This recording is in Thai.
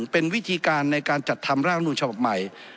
เป็นวิธีการในการจัดทำร่างรัฐมนุนฉบับใหม่